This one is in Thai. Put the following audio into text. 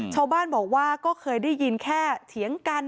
ชาวบ้านบอกว่าก็เคยได้ยินแค่เถียงกัน